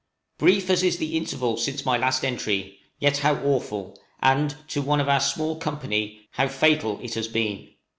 _ Brief as is the interval since my last entry, yet how awful, and, to one of our small company, how fatal it has been!